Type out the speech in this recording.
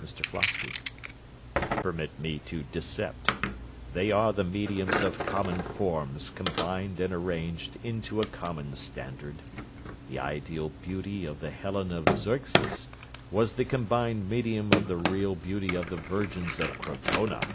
MR FLOSKY Permit me to discept. They are the mediums of common forms combined and arranged into a common standard. The ideal beauty of the Helen of Zeuxis was the combined medium of the real beauty of the virgins of Crotona.